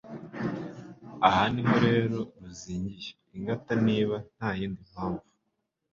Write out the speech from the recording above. Aha ni ho rero ruzingiye ingata niba nta yindi mpamvu